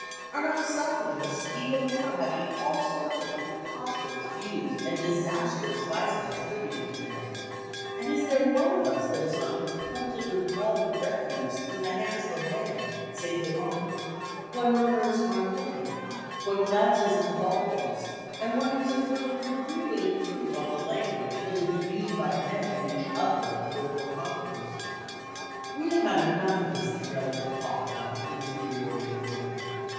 Are not suffragists even now having all sorts of preposterous views and disastrous vices attributed to them? And is there one of us that has not been pelted with mud and refuse from the hands of a man (save the mark)? One murmurs "Marconi," one glances at the Balkans, and wonders if women could really improve on the language that has been used by men of each other in political controversy. We have had enough of this irrelevant talk about the inferiority of women.